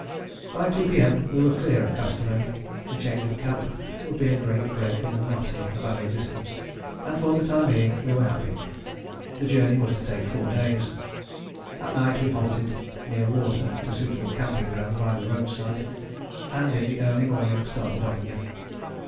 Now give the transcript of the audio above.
By 2 P.M. we were clear of Kastamoni. The change of camp would be a great break in the monotony of our existence, and for the time being we were happy. The journey was to take four days. At night we halted near water at a suitable camping ground by the roadside, and in the early morning started off again.